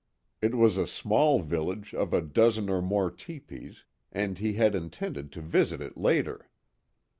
It was a small village of a dozen or more tepees, and he had intended to visit it later.